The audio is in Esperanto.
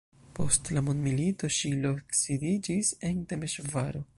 Post la mondmilito ŝi loksidiĝis en Temeŝvaro.